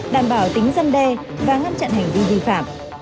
đảm bảo tính dân đe và ngăn chặn hành vi vi phạm